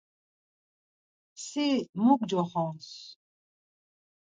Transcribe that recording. Si mu gcoxons?